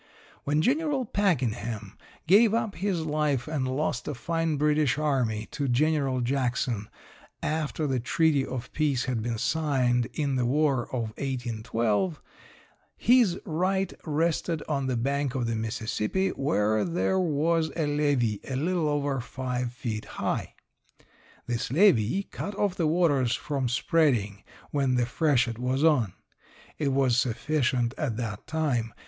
When General Pakenham gave up his life and lost a fine British army to General Jackson after the treaty of peace had been signed in the War of 1812, his right rested on the bank of the Mississippi where there was a levee a little over five feet high. This levee cut off the waters from spreading when the freshet was on. It was sufficient at that time.